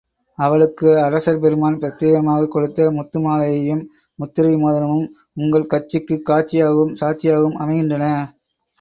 அவளுக்கு அரசர் பெருமான் பிரத்தியேகமாகக் கொடுத்த முத்துமாலையும் முத்திரை மோதிரமும் உங்கள் கட்சிக்குக் காட்சியாகவும் சாட்சியாகவும் அமைகின்றன.